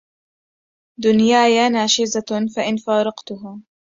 دنياي ناشزة فإن فارقتها